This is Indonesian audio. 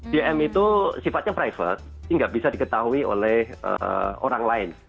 dm itu sifatnya private ini nggak bisa diketahui oleh orang lain